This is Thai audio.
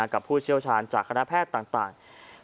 ผู้เชี่ยวชาญจากคณะแพทย์ต่าง